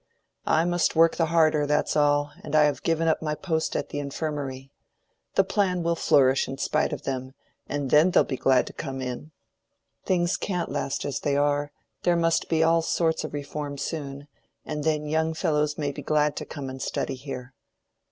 I must work the harder, that's all, and I have given up my post at the Infirmary. The plan will flourish in spite of them, and then they'll be glad to come in. Things can't last as they are: there must be all sorts of reform soon, and then young fellows may be glad to come and study here."